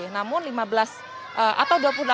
namun lima belas atau dua puluh enam